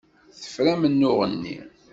Tefra amennuɣ-nni.